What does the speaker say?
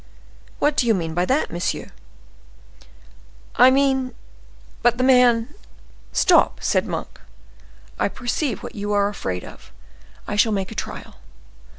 "What do you mean by that, monsieur?" "I mean—but that man—" "Stop," said Monk; "I perceive what you are afraid of. I shall make a trial."